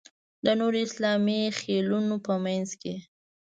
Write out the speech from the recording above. د نورو اسلامي خېلونو په منځ کې.